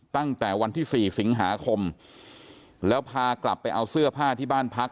ตั้งแต่วันที่๔สิงหาคมแล้วพากลับไปเอาเสื้อผ้าที่บ้านพัก